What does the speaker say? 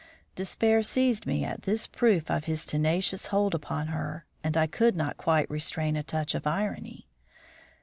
Despair seized me at this proof of his tenacious hold upon her, and I could not quite restrain a touch of irony.